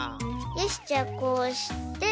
よしじゃあこうして。